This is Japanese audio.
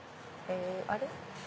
あれ？